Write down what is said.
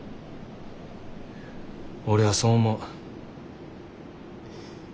俺はそう思う。